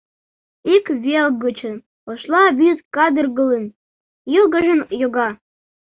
Ик вел гычын Ошла вӱд кадыргылын, йылгыжын йога.